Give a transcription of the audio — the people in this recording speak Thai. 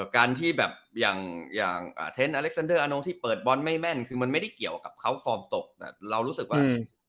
การที่อลเม์สห์ที่เปิดแบบบอลไม่แม่นคือมันไม่ได้เกี่ยวกับเขาความตกแต่เรารู้สึกว่า